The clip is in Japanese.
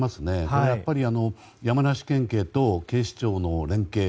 やっぱり山梨県警と警視庁の連携。